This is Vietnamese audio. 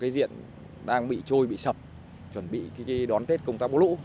tiền đang bị trôi bị sập chuẩn bị đón tết công tác bão lũ